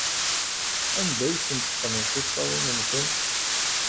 Anda ay asen-teqqneḍ tiṭṭawin-nsen?